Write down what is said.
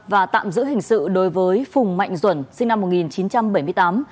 và tạm giữ hình sự đối với phùng mạnh duẩn sinh năm một nghìn chín trăm bảy mươi tám